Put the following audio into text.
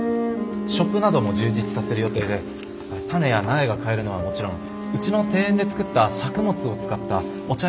ショップなども充実させる予定で種や苗が買えるのはもちろんうちの庭園で作った作物を使ったお茶やお菓子なども販売する予定です。